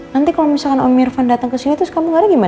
nanti kalau om irfan datang ke sini terus kamu ngeri gimana